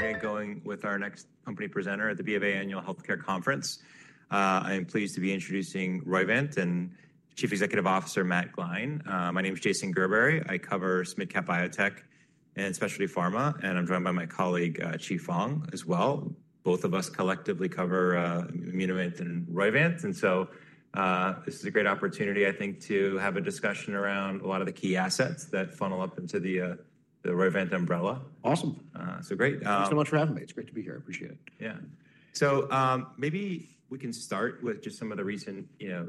We're getting going with our next company presenter at the BofA Annual Health Care Conference. I'm pleased to be introducing Roivant and Chief Executive Officer Matt Gline. My name is Jason Gerberry. I cover SMID-cap Biotech and Specialty Pharma, and I'm joined by my colleague, Chi Fong, as well. Both of us collectively cover Immunovant and Roivant. This is a great opportunity, I think, to have a discussion around a lot of the key assets that funnel up into the Roivant umbrella. Awesome. So great. Thanks so much for having me. It's great to be here. I appreciate it. Yeah. Maybe we can start with just some of the recent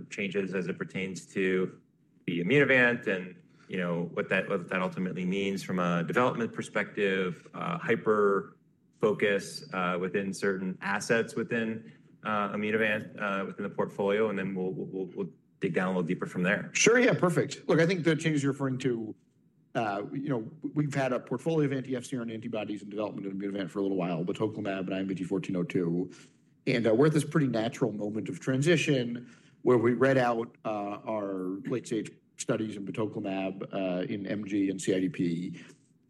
changes as it pertains to Immunovant and what that ultimately means from a development perspective, hyper-focus within certain assets within Immunovant, within the portfolio, and then we'll dig down a little deeper from there. Sure. Yeah, perfect. Look, I think the changes you're referring to, we've had a portfolio of anti-FcRn antibodies in development at Immunovant for a little while, batoclimab and IMVT-1402. And we're at this pretty natural moment of transition where we read out our late-stage studies in batoclimab, in MG, and CIDP.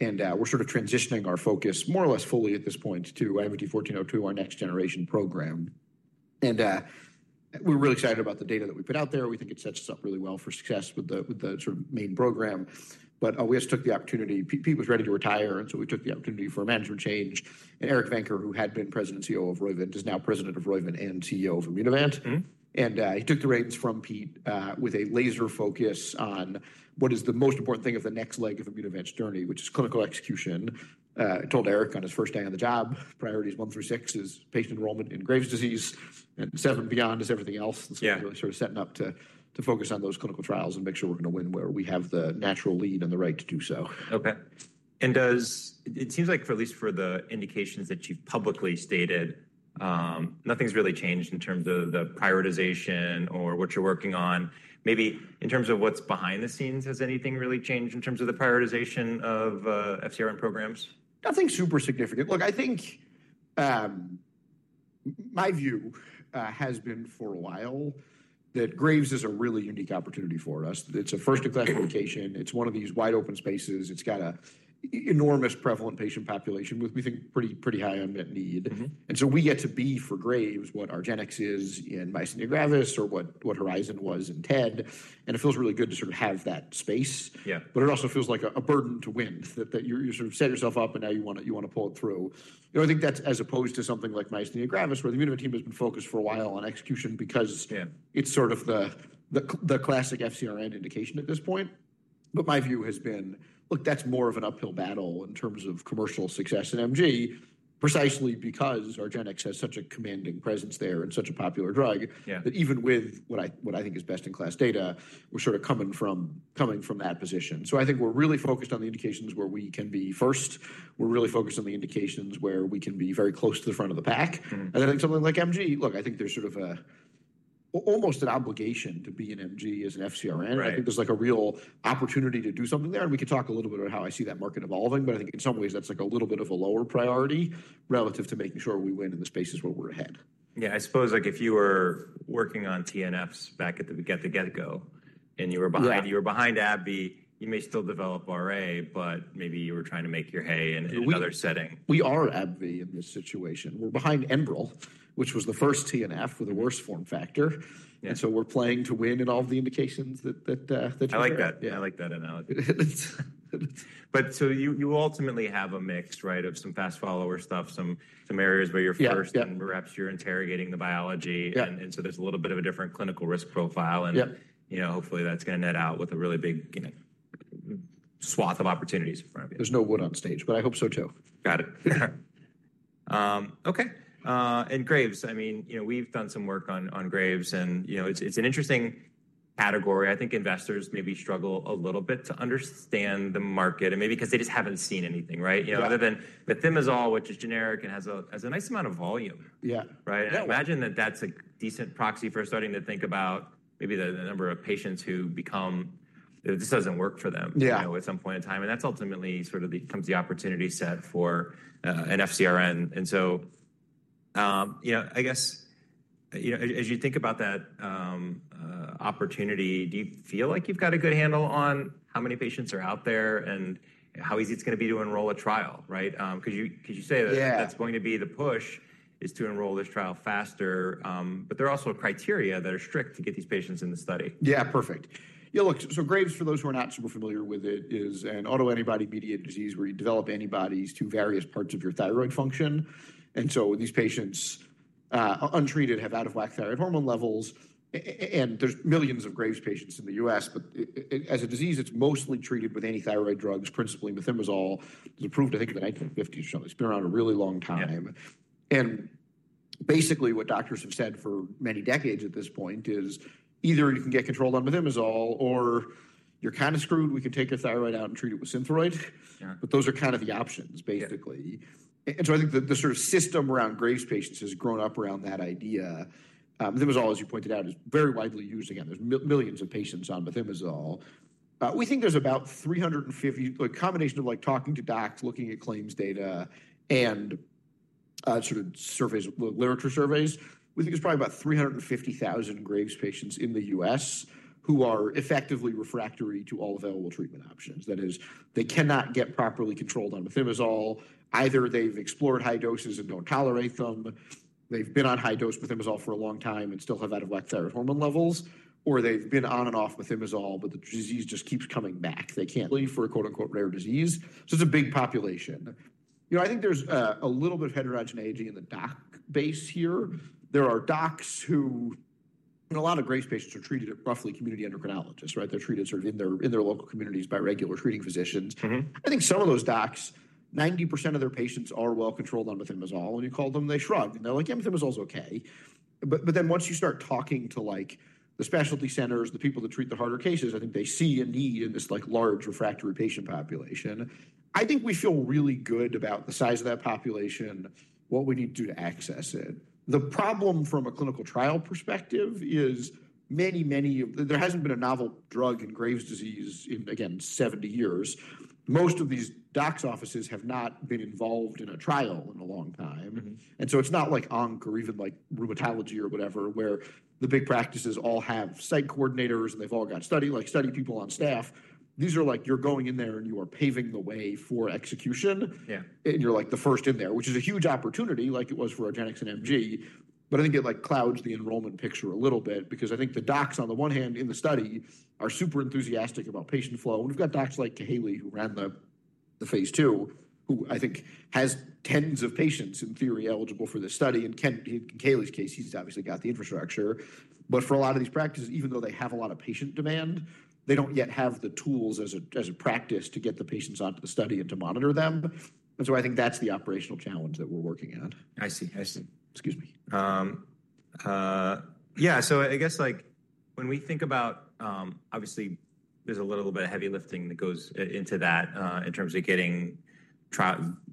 And we're sort of transitioning our focus more or less fully at this point to IMVT-1402, our next-generation program. And we're really excited about the data that we put out there. We think it sets us up really well for success with the main program. But we just took the opportunity; Pete was ready to retire, and so we took the opportunity for a management change. And Eric Venker, who had been President and CEO of Roivant, is now President of Roivant and CEO of Immunovant. He took the reins from Pete with a laser focus on what is the most important thing of the next leg of Immunovant's journey, which is clinical execution. I told Eric on his first day on the job, priorities one through six is patient enrollment in Graves' disease, and seven beyond is everything else. We are sort of setting up to focus on those clinical trials and make sure we are going to win where we have the natural lead and the right to do so. Okay. It seems like, at least for the indications that you've publicly stated, nothing's really changed in terms of the prioritization or what you're working on. Maybe in terms of what's behind the scenes, has anything really changed in terms of the prioritization of FcRn programs? Nothing super significant. Look, I think my view has been for a while that Graves is a really unique opportunity for us. It's a first-class location. It's one of these wide open spaces. It's got an enormous prevalent patient population, we think pretty high unmet need. You get to be for Graves what argenx is in myasthenia gravis or what Horizon was in TED. It feels really good to sort of have that space. It also feels like a burden to win, that you sort of set yourself up, and now you want to pull it through. I think that's as opposed to something like myasthenia gravis, where the Immunovant team has been focused for a while on execution because it's sort of the classic FcRn indication at this point. My view has been, look, that's more of an uphill battle in terms of commercial success in MG, precisely because argenx has such a commanding presence there and such a popular drug that even with what I think is best-in-class data, we're sort of coming from that position. I think we're really focused on the indications where we can be first. We're really focused on the indications where we can be very close to the front of the pack. I think something like MG, look, I think there's sort of almost an obligation to be in MG as an FcRn. I think there's a real opportunity to do something there. We can talk a little bit about how I see that market evolving. I think in some ways, that's a little bit of a lower priority relative to making sure we win in the spaces where we're ahead. Yeah. I suppose if you were working on TNFs back at the get-go, and you were behind AbbVie, you may still develop RA, but maybe you were trying to make your hay in another setting. We are AbbVie in this situation. We're behind Enbrel, which was the first TNF with a worse form factor. We're playing to win in all of the indications that you have. I like that. I like that analogy. You ultimately have a mix of some fast-follower stuff, some areas where you're first, and perhaps you're interrogating the biology. There is a little bit of a different clinical risk profile. Hopefully, that's going to net out with a really big swath of opportunities in front of you. There's no wood on stage, but I hope so too. Got it. Okay. I mean, we've done some work on Graves. It's an interesting category. I think investors maybe struggle a little bit to understand the market, maybe because they just haven't seen anything, right? Other than methimazole, which is generic and has a nice amount of volume. Yeah. Right? I imagine that that's a decent proxy for starting to think about maybe the number of patients who become this doesn't work for them at some point in time. That ultimately sort of becomes the opportunity set for an FcRn. I guess as you think about that opportunity, do you feel like you've got a good handle on how many patients are out there and how easy it's going to be to enroll a trial, right? You say that that's going to be the push, is to enroll this trial faster. There are also criteria that are strict to get these patients in the study. Yeah, perfect. Yeah, look, so Graves, for those who are not super familiar with it, is an autoantibody-mediated disease where you develop antibodies to various parts of your thyroid function. These patients untreated have out-of-whack thyroid hormone levels. There are millions of Graves patients in the U.S. As a disease, it's mostly treated with anti-thyroid drugs, principally methimazole. It was approved, I think, in the 1950s or something. It's been around a really long time. Basically, what doctors have said for many decades at this point is either you can get controlled on methimazole or you're kind of screwed. We can take your thyroid out and treat it with Synthroid. Those are kind of the options, basically. I think the sort of system around Graves patients has grown up around that idea. Methimazole, as you pointed out, is very widely used. Again, there's millions of patients on methimazole. We think there's about 350,000, a combination of talking to docs, looking at claims data, and sort of literature surveys. We think there's probably about 350,000 Graves patients in the U.S. who are effectively refractory to all available treatment options. That is, they cannot get properly controlled on methimazole. Either they've explored high doses and do not tolerate them. They've been on high-dose methimazole for a long time and still have out-of-whack thyroid hormone levels. Or they've been on and off methimazole, but the disease just keeps coming back. They cannot leave for a "rare disease." It is a big population. I think there's a little bit of heterogeneity in the doc base here. There are docs who a lot of Graves patients are treated at roughly community endocrinologists, right? They're treated sort of in their local communities by regular treating physicians. I think some of those docs, 90% of their patients are well controlled on methimazole. When you call them, they shrug. They're like, "Yeah, methimazole's okay." Once you start talking to the specialty centers, the people that treat the harder cases, I think they see a need in this large refractory patient population. I think we feel really good about the size of that population, what we need to do to access it. The problem from a clinical trial perspective is many, many there hasn't been a novel drug in Graves' disease in, again, 70 years. Most of these docs' offices have not been involved in a trial in a long time. It's not like ONC or even like rheumatology or whatever, where the big practices all have site coordinators and they've all got study people on staff. These are like you're going in there and you are paving the way for execution. You're like the first in there, which is a huge opportunity like it was for argenx and MG. I think it clouds the enrollment picture a little bit because I think the docs, on the one hand, in the study are super enthusiastic about patient flow. We've got docs like Kahaly, who ran the phase II, who I think has tens of patients, in theory, eligible for this study. In Kahaly's case, he's obviously got the infrastructure. For a lot of these practices, even though they have a lot of patient demand, they do not yet have the tools as a practice to get the patients onto the study and to monitor them. I think that's the operational challenge that we're working at. I see. I see. Excuse me. Yeah. I guess when we think about, obviously, there's a little bit of heavy lifting that goes into that in terms of getting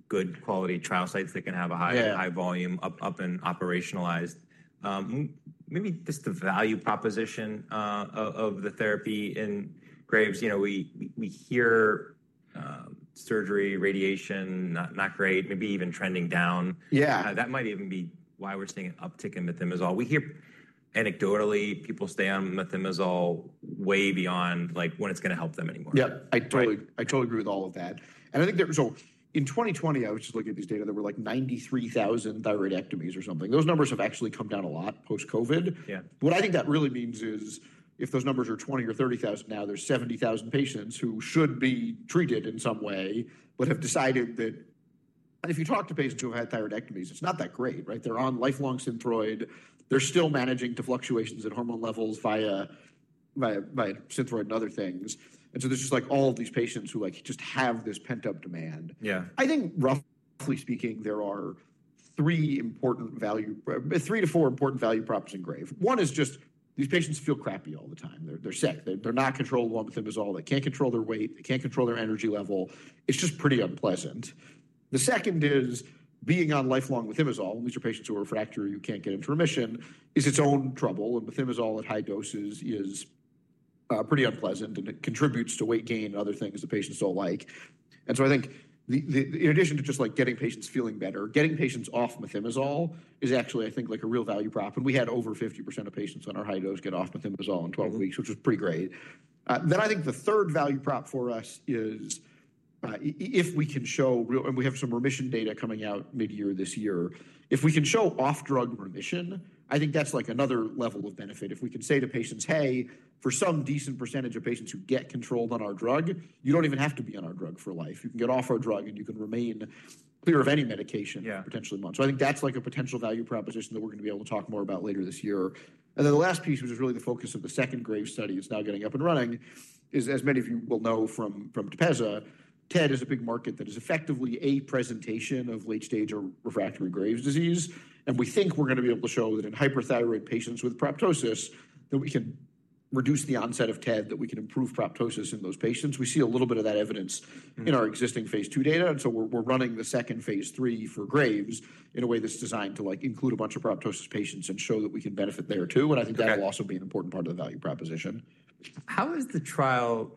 good quality trial sites that can have a high volume up and operationalized. Maybe just the value proposition of the therapy in Graves. We hear surgery, radiation, not great, maybe even trending down. That might even be why we're seeing an uptick in methimazole. We hear anecdotally people stay on methimazole way beyond when it's going to help them anymore. Yeah. I totally agree with all of that. I think in 2020, I was just looking at these data. There were like 93,000 thyroidectomies or something. Those numbers have actually come down a lot post-COVID. What I think that really means is if those numbers are 20,000 or 30,000 now, there are 70,000 patients who should be treated in some way but have decided that if you talk to patients who have had thyroidectomies, it's not that great, right? They're on lifelong Synthroid. They're still managing to fluctuations in hormone levels via Synthroid and other things. There are just like all of these patients who just have this pent-up demand. I think roughly speaking, there are three important value, three to four important value props in Graves. One is just these patients feel crappy all the time. They're sick. They're not controlled on methimazole. They can't control their weight. They can't control their energy level. It's just pretty unpleasant. The second is being on lifelong methimazole. And these are patients who are refractory. You can't get into remission. It's its own trouble. And methimazole at high doses is pretty unpleasant. And it contributes to weight gain and other things that patients don't like. I think in addition to just getting patients feeling better, getting patients off methimazole is actually, I think, a real value prop. We had over 50% of patients on our high dose get off methimazole in 12 weeks, which was pretty great. I think the third value prop for us is if we can show and we have some remission data coming out mid-year this year. If we can show off-drug remission, I think that's like another level of benefit. If we can say to patients, "Hey, for some decent percentage of patients who get controlled on our drug, you don't even have to be on our drug for life. You can get off our drug, and you can remain clear of any medication for potentially months." I think that's like a potential value proposition that we're going to be able to talk more about later this year. The last piece, which is really the focus of the second Graves study that's now getting up and running, is as many of you will know from TEPEZZA, TED is a big market that is effectively a presentation of late-stage or refractory Graves' disease. We think we're going to be able to show that in hyperthyroid patients with proptosis, we can reduce the onset of TED, that we can improve proptosis in those patients. We see a little bit of that evidence in our existing phase II data. We are running the second phase III for Graves in a way that's designed to include a bunch of proptosis patients and show that we can benefit there too. I think that will also be an important part of the value proposition. How is the trial?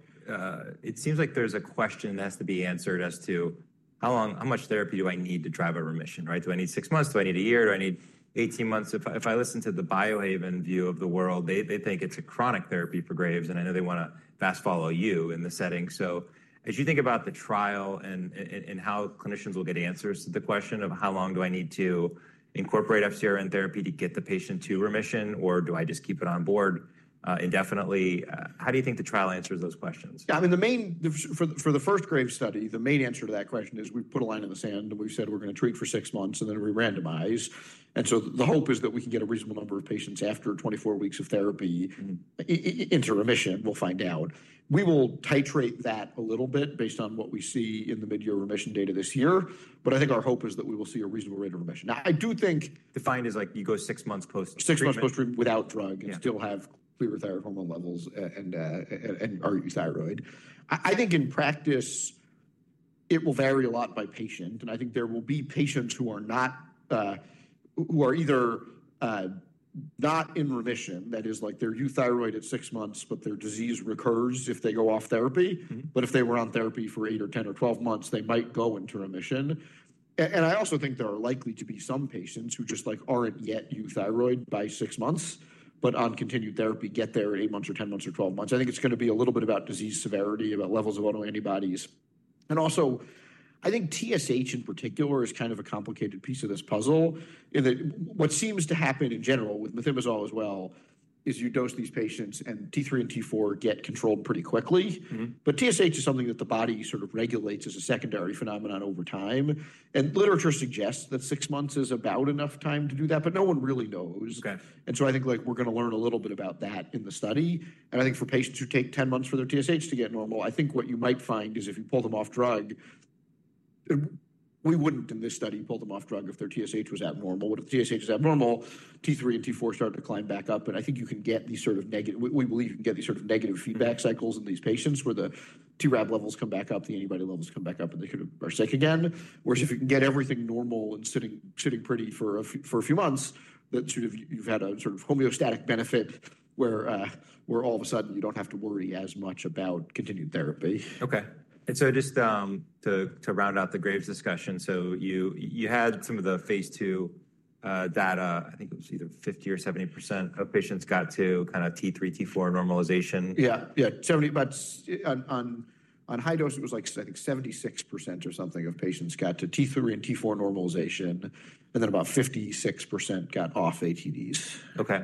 It seems like there's a question that has to be answered as to how much therapy do I need to drive a remission, right? Do I need six months? Do I need a year? Do I need 18 months? If I listen to the Biohaven view of the world, they think it's a chronic therapy for Graves. I know they want to fast-follow you in the setting. As you think about the trial and how clinicians will get answers to the question of how long do I need to incorporate FcRn therapy to get the patient to remission, or do I just keep it on board indefinitely? How do you think the trial answers those questions? Yeah. I mean, for the first Graves study, the main answer to that question is we put a line in the sand. We said we're going to treat for six months, and then we randomize. The hope is that we can get a reasonable number of patients after 24 weeks of therapy into remission. We'll find out. We will titrate that a little bit based on what we see in the mid-year remission data this year. I think our hope is that we will see a reasonable rate of remission. Now, I do think. Defined as like you go six months post-treatment. Six months post-treatment without drug and still have clear thyroid hormone levels and are euthyroid. I think in practice, it will vary a lot by patient. I think there will be patients who are either not in remission. That is, like, they're euthyroid at six months, but their disease recurs if they go off therapy. If they were on therapy for 8 or 10 or 12 months, they might go into remission. I also think there are likely to be some patients who just aren't yet euthyroid by six months but on continued therapy get there at 8 months or 10 months or 12 months. I think it's going to be a little bit about disease severity, about levels of autoantibodies. I think TSH in particular is kind of a complicated piece of this puzzle. What seems to happen in general with methimazole as well is you dose these patients, and T3 and T4 get controlled pretty quickly. TSH is something that the body sort of regulates as a secondary phenomenon over time. Literature suggests that six months is about enough time to do that. No one really knows. I think we're going to learn a little bit about that in the study. I think for patients who take 10 months for their TSH to get normal, I think what you might find is if you pull them off drug, we wouldn't in this study pull them off drug if their TSH was abnormal. If the TSH is abnormal, T3 and T4 start to climb back up. I think you can get these sort of negative, we believe you can get these sort of negative feedback cycles in these patients where the TRAb levels come back up, the antibody levels come back up, and they sort of are sick again. Whereas if you can get everything normal and sitting pretty for a few months, that sort of, you have had a sort of homeostatic benefit where all of a sudden you do not have to worry as much about continued therapy. Okay. And just to round out the Graves discussion, you had some of the phase II data. I think it was either 50% or 70% of patients got to kind of T3, T4 normalization. Yeah. Yeah. On high dose, it was like, I think, 76% or something of patients got to T3 and T4 normalization. And then about 56% got off ATDs. Okay.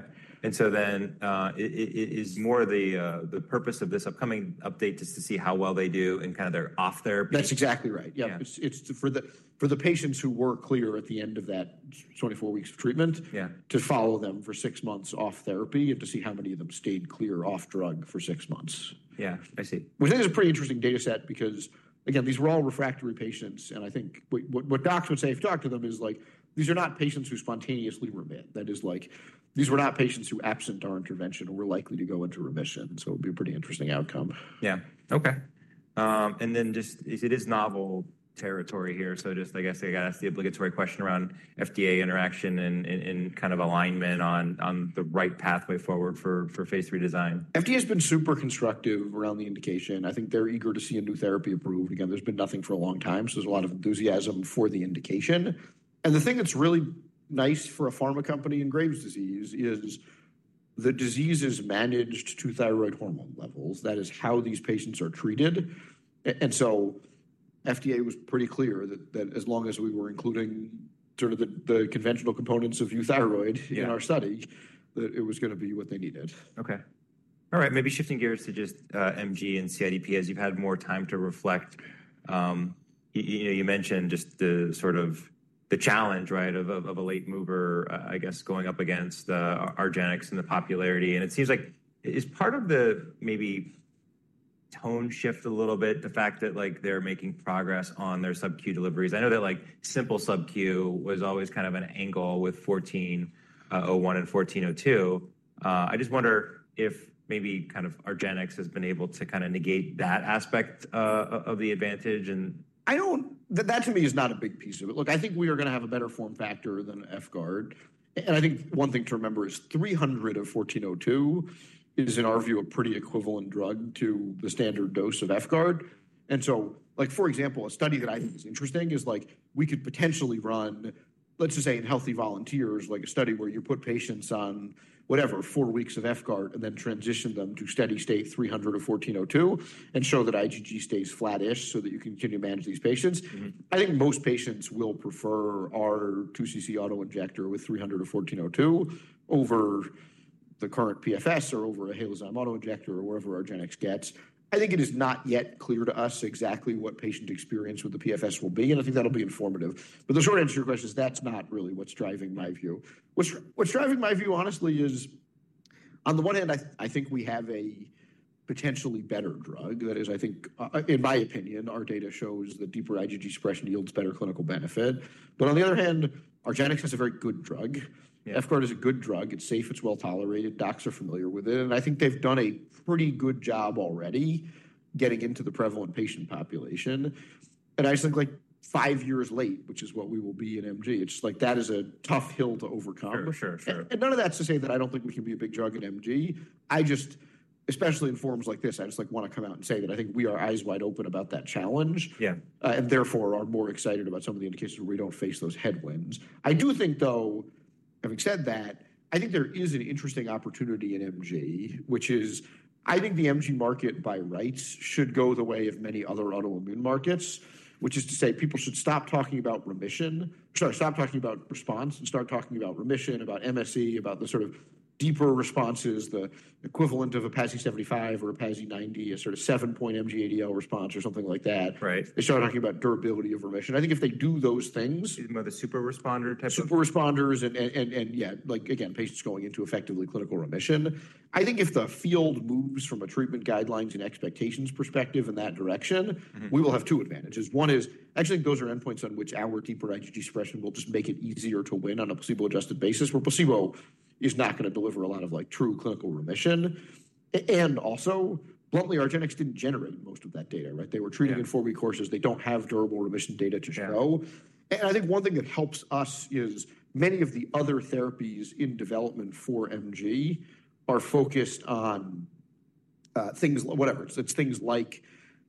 Is more of the purpose of this upcoming update just to see how well they do in kind of their off therapy? That's exactly right. Yeah. It's for the patients who were clear at the end of that 24 weeks of treatment to follow them for six months off therapy and to see how many of them stayed clear off drug for six months. Yeah. I see. Which I think is a pretty interesting data set because, again, these were all refractory patients. I think what docs would say if you talk to them is like, "These are not patients who spontaneously remit." That is like, "These were not patients who absent our intervention were likely to go into remission." It would be a pretty interesting outcome. Yeah. Okay. It is novel territory here. I guess I got to ask the obligatory question around FDA interaction and kind of alignment on the right pathway forward for phase III design. FDA has been super constructive around the indication. I think they're eager to see a new therapy approved. Again, there's been nothing for a long time. There is a lot of enthusiasm for the indication. The thing that's really nice for a pharma company in Graves' disease is the disease is managed to thyroid hormone levels. That is how these patients are treated. FDA was pretty clear that as long as we were including sort of the conventional components of euthyroid in our study, that it was going to be what they needed. Okay. All right. Maybe shifting gears to just MG and CIDP as you've had more time to reflect. You mentioned just the sort of the challenge, right, of a late mover, I guess, going up against argenx and the popularity. It seems like is part of the maybe tone shift a little bit the fact that they're making progress on their subQ deliveries? I know that simple subQ was always kind of an angle with 1401 and 1402. I just wonder if maybe kind of argenx has been able to kind of negate that aspect of the advantage and. I don't, that to me is not a big piece of it. Look, I think we are going to have a better form factor than efgart. I think one thing to remember is 300 of 1402 is, in our view, a pretty equivalent drug to the standard dose of efgart. For example, a study that I think is interesting is like we could potentially run, let's just say in healthy volunteers, like a study where you put patients on whatever, four weeks of efgart and then transition them to steady state 300 of 1402 and show that IgG stays flattish so that you can continue to manage these patients. I think most patients will prefer our 2 cc autoinjector with 300 of 1402 over the current PFS or over a Halozyme autoinjector or whatever argenx gets. I think it is not yet clear to us exactly what patient experience with the PFS will be. I think that'll be informative. The short answer to your question is that's not really what's driving my view. What's driving my view, honestly, is on the one hand, I think we have a potentially better drug. That is, I think, in my opinion, our data shows that deeper IgG suppression yields better clinical benefit. On the other hand, argenx is a very good drug. Efgart is a good drug. It's safe. It's well tolerated. Docs are familiar with it. I think they've done a pretty good job already getting into the prevalent patient population. I just think like five years late, which is what we will be in MG, it's like that is a tough hill to overcome. None of that's to say that I don't think we can be a big drug in MG. I just, especially in forms like this, I just want to come out and say that I think we are eyes wide open about that challenge. Therefore, we are more excited about some of the indications where we don't face those headwinds. I do think, though, having said that, I think there is an interesting opportunity in MG, which is I think the MG market by rights should go the way of many other autoimmune markets, which is to say people should stop talking about remission, start talking about response, and start talking about remission, about MSE, about the sort of deeper responses, the equivalent of a PASI 75 or a PASI 90, a sort of 7-point MG ADL response or something like that. They start talking about durability of remission. I think if they do those things. You mean the super responder type of? Super responders and, yeah, again, patients going into effectively clinical remission. I think if the field moves from a treatment guidelines and expectations perspective in that direction, we will have two advantages. One is I actually think those are endpoints on which our deeper IgG suppression will just make it easier to win on a placebo-adjusted basis where placebo is not going to deliver a lot of true clinical remission. Also, bluntly, argenx did not generate most of that data, right? They were treating in four-week courses. They do not have durable remission data to show. I think one thing that helps us is many of the other therapies in development for MG are focused on things, whatever. It is things like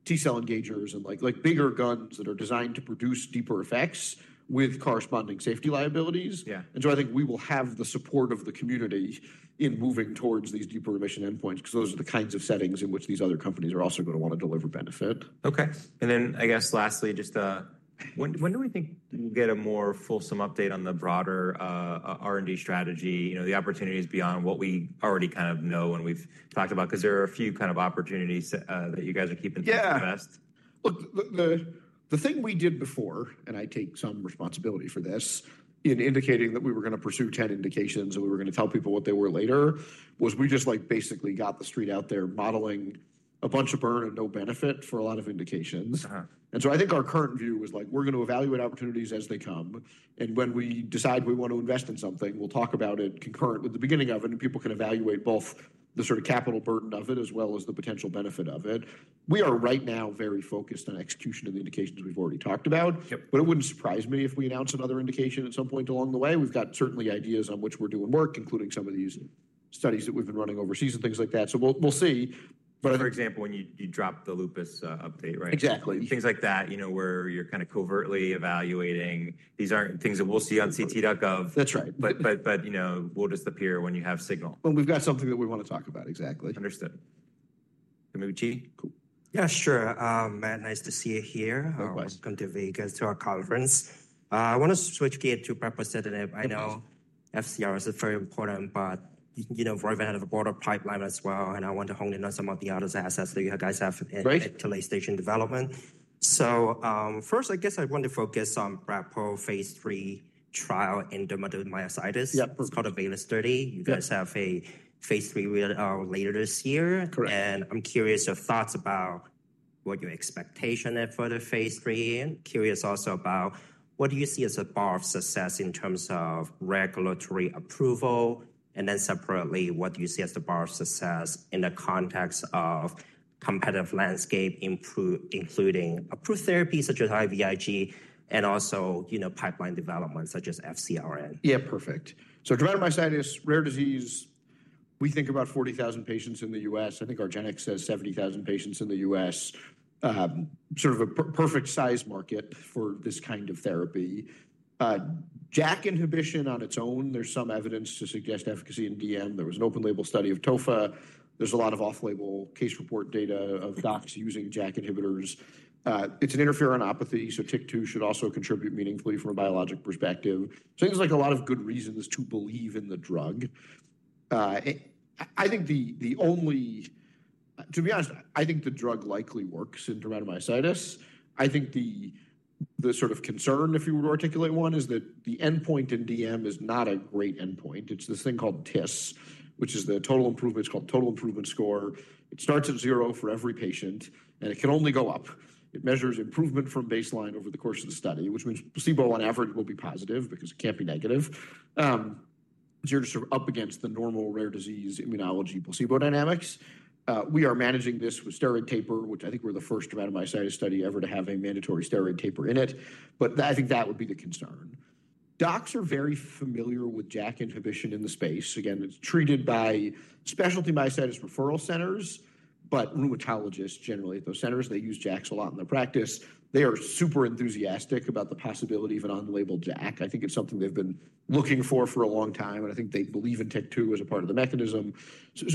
T-cell engagers and bigger guns that are designed to produce deeper effects with corresponding safety liabilities. I think we will have the support of the community in moving towards these deeper remission endpoints because those are the kinds of settings in which these other companies are also going to want to deliver benefit. Okay. I guess lastly, just when do we think we'll get a more fulsome update on the broader R&D strategy, the opportunities beyond what we already kind of know and we've talked about? Because there are a few kind of opportunities that you guys are keeping to the vest. Yeah. Look, the thing we did before, and I take some responsibility for this, in indicating that we were going to pursue 10 indications and we were going to tell people what they were later, was we just basically got the street out there modeling a bunch of burn and no benefit for a lot of indications. I think our current view was like, we're going to evaluate opportunities as they come. When we decide we want to invest in something, we'll talk about it concurrent with the beginning of it. People can evaluate both the sort of capital burden of it as well as the potential benefit of it. We are right now very focused on execution of the indications we've already talked about. It wouldn't surprise me if we announce another indication at some point along the way. We've got certainly ideas on which we're doing work, including some of these studies that we've been running overseas and things like that. We'll see. For example, when you dropped the lupus update, right? Exactly. Things like that where you're kind of covertly evaluating. These aren't things that we'll see on ct.gov. That's right. We'll just appear when you have signal. When we've got something that we want to talk about, exactly. Understood. Chi. Cool. Yeah, sure. Matt, nice to see you here. Likewise. Welcome to Vegas to our conference. I want to switch gears to representative. I know FcRn is very important, but Roivant had a broader pipeline as well. I want to hone in on some of the other assets that you guys have in to late-stage development. First, I guess I want to focus on brepocitinib phase III trial in dermatomyositis. It's called VALOR study. You guys have a phase III later this year. I'm curious your thoughts about what your expectation is for the phase III. Curious also about what do you see as a bar of success in terms of regulatory approval? Separately, what do you see as the bar of success in the context of competitive landscape, including approved therapies such as IVIG and also pipeline development such as FcRn? Yeah, perfect. So dermatomyositis, rare disease, we think about 40,000 patients in the U.S. I think argenx has 70,000 patients in the U.S., sort of a perfect size market for this kind of therapy. JAK inhibition on its own, there's some evidence to suggest efficacy in DM. There was an open label study of tofa. There's a lot of off-label case report data of docs using JAK inhibitors. It's an interferonopathy. TYK2 should also contribute meaningfully from a biologic perspective. It seems like a lot of good reasons to believe in the drug. I think the only, to be honest, I think the drug likely works in dermatomyositis. I think the sort of concern, if you were to articulate one, is that the endpoint in DM is not a great endpoint. It's this thing called TIS, which is the total improvement. It's called total improvement score. It starts at zero for every patient. And it can only go up. It measures improvement from baseline over the course of the study, which means placebo on average will be positive because it can't be negative. So you're just sort of up against the normal rare disease immunology placebo dynamics. We are managing this with steroid taper, which I think we're the first dermatomyositis study ever to have a mandatory steroid taper in it. But I think that would be the concern. Docs are very familiar with JAK inhibition in the space. Again, it's treated by specialty myositis referral centers, but rheumatologists generally at those centers, they use JAKs a lot in their practice. They are super enthusiastic about the possibility of an on-label JAK. I think it's something they've been looking for for a long time. I think they believe in TYK2 as a part of the mechanism.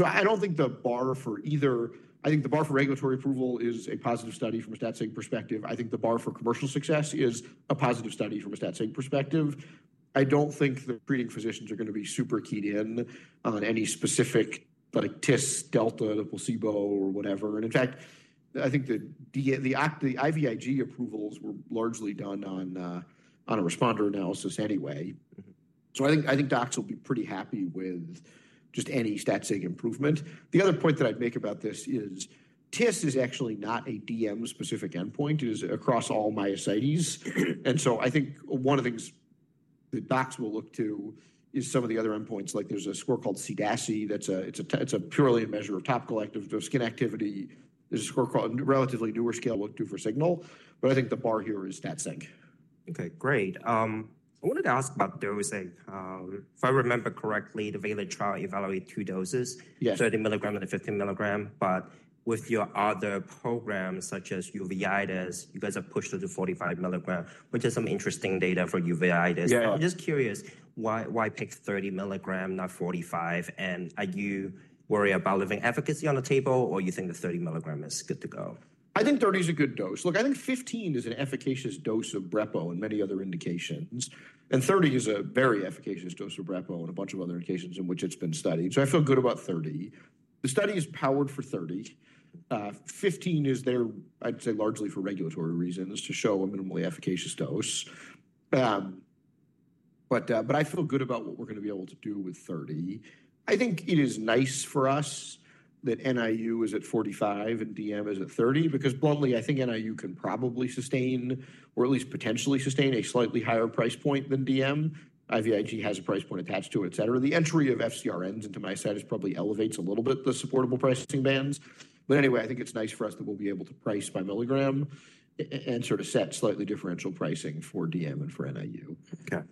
I do not think the bar for either, I think the bar for regulatory approval is a positive study from a stat-saving perspective. I think the bar for commercial success is a positive study from a stat-saving perspective. I do not think the treating physicians are going to be super keyed in on any specific TIS, delta, the placebo, or whatever. In fact, I think the IVIG approvals were largely done on a responder analysis anyway. I think docs will be pretty happy with just any stat-saving improvement. The other point that I would make about this is TIS is actually not a DM-specific endpoint. It is across all myositis. I think one of the things that docs will look to is some of the other endpoints. Like there is a score called CDASI. It's purely a measure of topical activity of skin activity. There's a score called relatively newer scale looked to for signal. I think the bar here is stat-saving. Okay, great. I wanted to ask about dosing. If I remember correctly, the VALOR trial evaluated two doses, 30 mg and 15 mg. With your other programs, such as uveitis, you guys have pushed it to 45 mg, which is some interesting data for uveitis. I'm just curious why pick 30 mg, not 45 mg? Are you worried about leaving efficacy on the table, or you think the 30 mg is good to go? I think 30 mg is a good dose. Look, I think 15 mg is an efficacious dose of brepo in many other indications. And 30 mg is a very efficacious dose of brepo in a bunch of other indications in which it's been studied. So I feel good about 30 mg. The study is powered for 30 mg. 15 mg is there, I'd say, largely for regulatory reasons to show a minimally efficacious dose. But I feel good about what we're going to be able to do with 30 mg. I think it is nice for us that NIU is at 45 mg and DM is at 30 mg because bluntly, I think NIU can probably sustain, or at least potentially sustain, a slightly higher price point than DM. IVIG has a price point attached to it, etc. The entry of FcRn inhibitors into myositis probably elevates a little bit the supportable pricing bands. Anyway, I think it's nice for us that we'll be able to price by milligram and sort of set slightly differential pricing for DM and for NIU. Okay.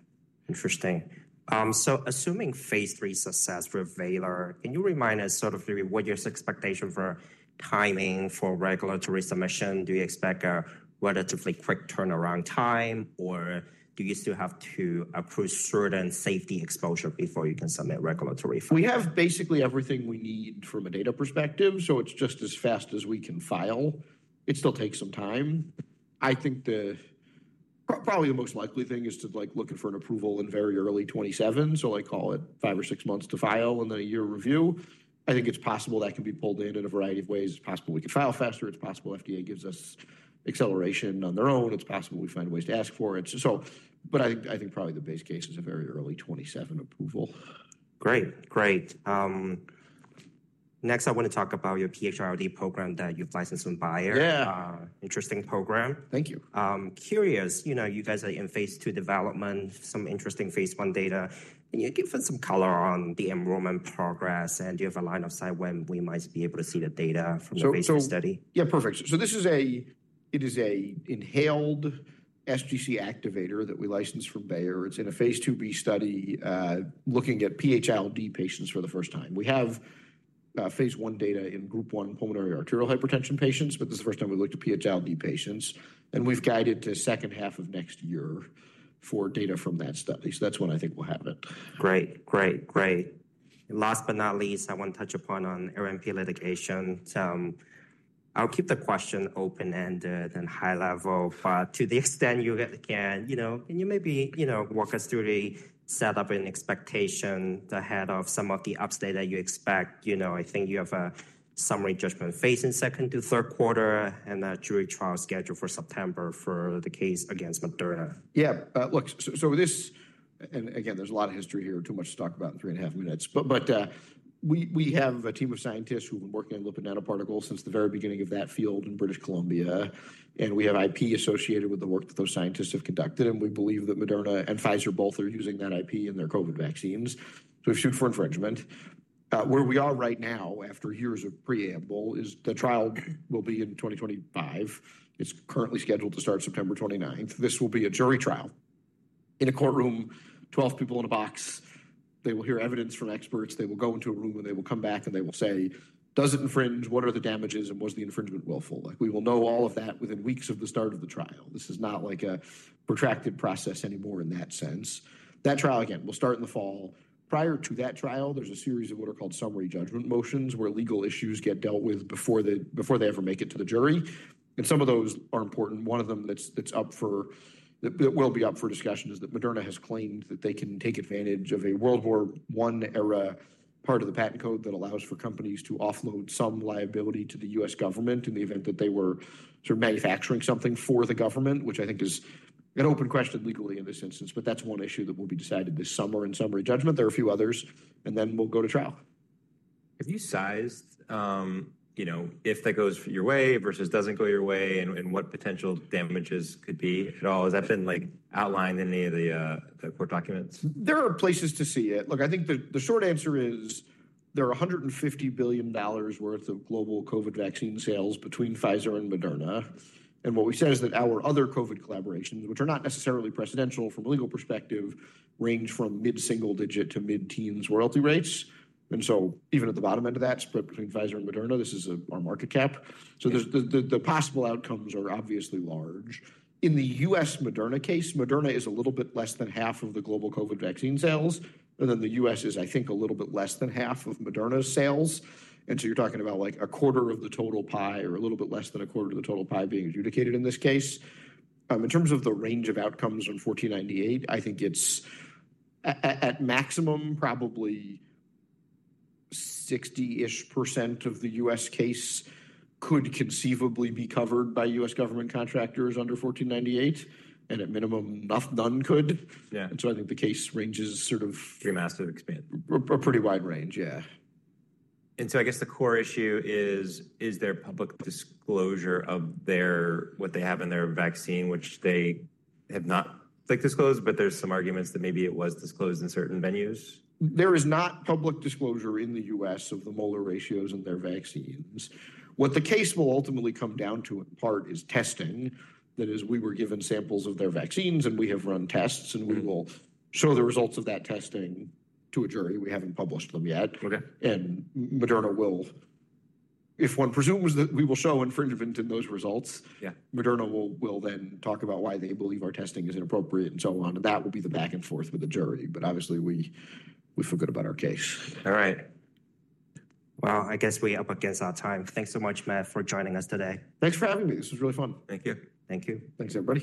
Interesting. Assuming phase III success for VALOR, can you remind us sort of what your expectation for timing for regulatory submission? Do you expect a relatively quick turnaround time, or do you still have to approve certain safety exposure before you can submit regulatory? We have basically everything we need from a data perspective. So it's just as fast as we can file. It still takes some time. I think probably the most likely thing is to look for an approval in very early 2027. So I call it five or six months to file and then a year review. I think it's possible that can be pulled in in a variety of ways. It's possible we could file faster. It's possible FDA gives us acceleration on their own. It's possible we find ways to ask for it. I think probably the base case is a very early 2027 approval. Great. Great. Next, I want to talk about your PH-ILD program that you've licensed from Bayer. Interesting program. Thank you. Curious, you guys are in phase II development, some interesting phase I data. Can you give us some color on the enrollment progress, and do you have a line of sight when we might be able to see the data from the basic study? Yeah, perfect. This is an inhaled sGC activator that we licensed from Bayer. It's in a phase II-B study looking at PH-ILD patients for the first time. We have phase I data in group 1 pulmonary arterial hypertension patients, but this is the first time we looked at PH-ILD patients. We've guided to the second half of next year for data from that study. That's when I think we'll have it. Great. Great. Great. Last but not least, I want to touch upon on LNP litigation. I'll keep the question open-ended and high level. To the extent you can, can you maybe walk us through the setup and expectation ahead of some of the updates that you expect? I think you have a summary judgment phase in second to third quarter and a jury trial scheduled for September for the case against Moderna. Yeah. Look, this and again, there's a lot of history here, too much to talk about in three and a half minutes. We have a team of scientists who've been working on lipid nanoparticles since the very beginning of that field in British Columbia. We have IP associated with the work that those scientists have conducted. We believe that Moderna and Pfizer both are using that IP in their COVID vaccines. We have sued for infringement. Where we are right now after years of preamble is the trial will be in 2025. It is currently scheduled to start September 29th. This will be a jury trial in a courtroom, 12 people in a box. They will hear evidence from experts. They will go into a room and they will come back and they will say, "Does it infringe? What are the damages? Was the infringement willful? We will know all of that within weeks of the start of the trial. This is not like a protracted process anymore in that sense. That trial, again, will start in the fall. Prior to that trial, there is a series of what are called summary judgment motions where legal issues get dealt with before they ever make it to the jury. Some of those are important. One of them that will be up for discussion is that Moderna has claimed that they can take advantage of a World War I era part of the patent code that allows for companies to offload some liability to the U.S. government in the event that they were sort of manufacturing something for the government, which I think is an open question legally in this instance. That's one issue that will be decided this summer in summary judgment. There are a few others. Then we'll go to trial. Have you sized if that goes your way versus doesn't go your way, and what potential damages could be at all? Has that been outlined in any of the court documents? There are places to see it. Look, I think the short answer is there are $150 billion worth of global COVID vaccine sales between Pfizer and Moderna. What we said is that our other COVID collaborations, which are not necessarily presidential from a legal perspective, range from mid-single digit to mid-teens royalty rates. Even at the bottom end of that, split between Pfizer and Moderna, this is our market cap. The possible outcomes are obviously large. In the U.S. Moderna case, Moderna is a little bit less than half of the global COVID vaccine sales. The U.S. is, I think, a little bit less than half of Moderna's sales. You are talking about like a quarter of the total pie or a little bit less than a quarter of the total pie being adjudicated in this case. In terms of the range of outcomes on 1498, I think it's at maximum probably 60% of the U.S. case could conceivably be covered by U.S. government contractors under 1498. At minimum, none could. I think the case ranges sort of. Pretty massive expanse. A pretty wide range, yeah. I guess the core issue is, is there public disclosure of what they have in their vaccine, which they have not disclosed, but there's some arguments that maybe it was disclosed in certain venues? There is not public disclosure in the U.S. of the molar ratios in their vaccines. What the case will ultimately come down to in part is testing. That is, we were given samples of their vaccines and we have run tests and we will show the results of that testing to a jury. We have not published them yet. If one presumes that we will show infringement in those results, Moderna will then talk about why they believe our testing is inappropriate and so on. That will be the back and forth with the jury. Obviously, we forgot about our case. All right. I guess we are up against our time. Thanks so much, Matt, for joining us today. Thanks for having me. This was really fun. Thank you. Thanks, everybody.